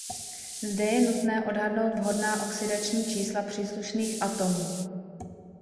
Zde je nutné odhadnout vhodná oxidační čísla příslušných atomů.